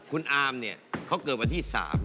คุณอามเนี่ยเขาเกิดวันที่๓